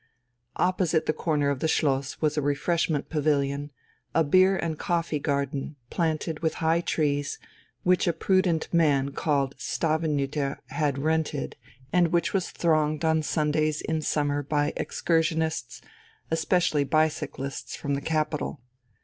Opposite the corner of the Schloss was a refreshment pavilion, a beer and coffee garden planted with high trees, which a prudent man called Stavenüter had rented and which was thronged on Sundays in summer by excursionists, especially bicyclists, from the capital.